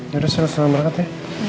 yaudah saya harus selamat berangkat ya